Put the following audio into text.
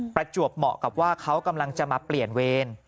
ประจวบเหมาะกับว่าเขากำลังจะมาเปลี่ยนเวร